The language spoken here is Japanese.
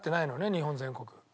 日本全国。